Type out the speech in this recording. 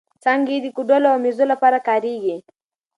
څانګې یې د کوډلو او مېزو لپاره کارېږي.